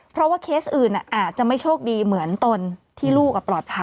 เพราะว่าเคสอื่นอาจจะไม่โชคดีเหมือนตนที่ลูกปลอดภัย